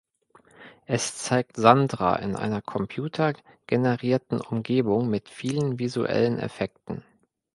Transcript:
Es zeigt Sandra in einer computergenerierten Umgebung mit vielen visuellen Effekten.